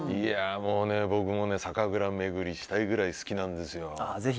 もうね、僕も酒蔵巡りしたいぐらい好きなんです。